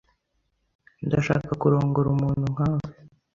Ndashaka kurongora umuntu nka we.